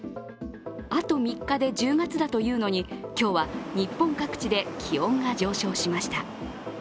あと３日で１０月だというのに、今日は日本各地で気温が上昇しました。